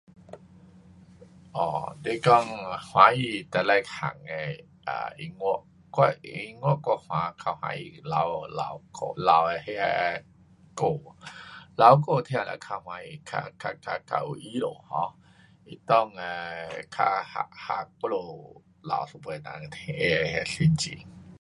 Or.. 你说喜欢什么类型的音乐？我音乐我更喜欢老..老…老歌。老歌听着更开心更..…更...有意义。因为适合..合我们老一辈人心情